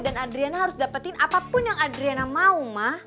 dan adriana harus dapetin apapun yang adriana mau ma